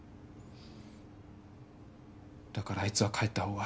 だからあいつは帰った方が。